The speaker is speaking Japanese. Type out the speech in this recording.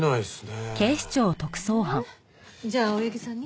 ええ？じゃあ青柳さんに。